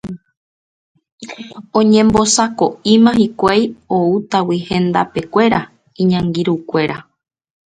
oñembosako'íma hikuái oútagui hendapekuéra iñangirũnguéra